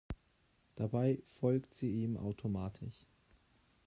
Dabei folgt sie ihm automatisch.